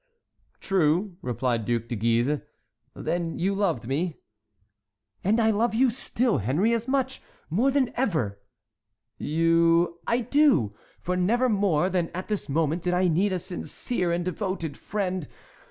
"True," replied De Guise, "then you loved me." "And I love you still, Henry, as much—more than ever!" "You"— "I do; for never more than at this moment did I need a sincere and devoted friend.